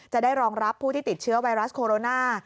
จะได้รองรับผู้ที่ติดเชื้อไวรัสโคโรนา